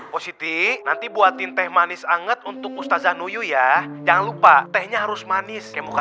positi nanti buatin teh manis anget untuk ustadz anuyuh ya jangan lupa tehnya harus manis ke muka